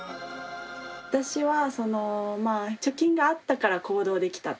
私は貯金があったから行動できた。